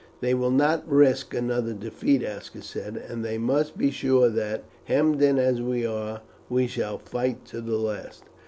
"They will not risk another defeat," Aska said, "and they must be sure that, hemmed in as we are, we shall fight to the last."